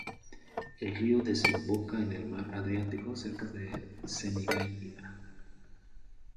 El río desemboca en el mar Adriático cerca de Senigallia.